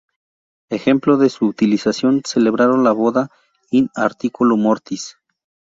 Ejemplo de su utilización: "celebraron la boda "in articulo mortis"".